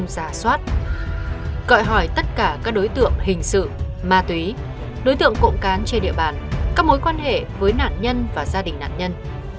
gọi hỏi tất cả các đối tượng hình sự ma túy đối tượng cộng cán trên địa bàn các mối quan hệ với nạn nhân và gia đình nạn nhân